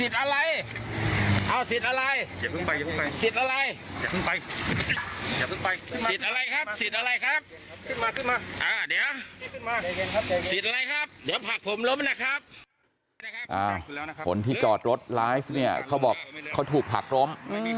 ตาขืนคนที่จอดรถรายเค้าบอกเขาถูกผลักร้ม